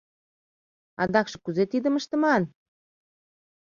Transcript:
Адакше кузе тидым ыштыман?